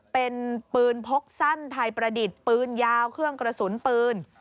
เป็นปืนพกสั้นไทยประดิษฐ์ปืนยาวเครื่องกระสุนปืน